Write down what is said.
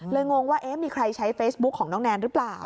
งงว่ามีใครใช้เฟซบุ๊คของน้องแนนหรือเปล่า